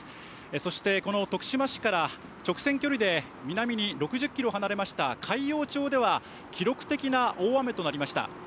そしてこの徳島市から直線距離で、南に６０キロ離れました海陽町では、記録的な大雨となりました。